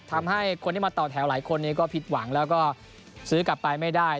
ทำให้คนที่มาต่อแถวหลายคนก็ผิดหวังแล้วก็ซื้อกลับไปไม่ได้